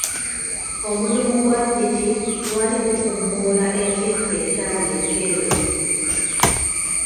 Omudumu gwa ppiki gwali gufuumuula ekikka ekyali ekyeru.